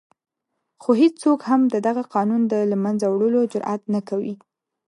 خو هېڅوک هم د دغه قانون د له منځه وړلو جرآت نه کوي.